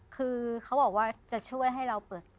คือเขาบอกว่าจะช่วยให้เราเปิด